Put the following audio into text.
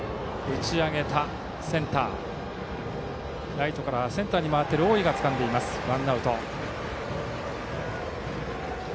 ライトからセンターに回った大井がつかんでワンアウト。